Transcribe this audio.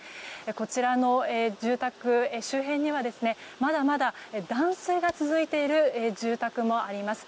こちらの住宅周辺にはまだまだ断水が続いている住宅もあります。